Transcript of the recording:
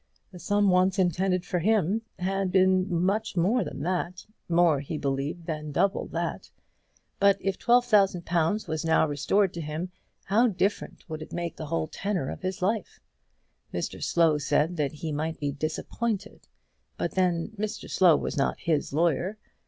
The sum once intended for him had been much more than that, more he believed than double that; but if twelve thousand pounds was now restored to him, how different would it make the whole tenor of his life; Mr Slow said that he might be disappointed; but then Mr Slow was not his lawyer.